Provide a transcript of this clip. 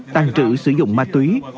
tăng trữ sử dụng ma túy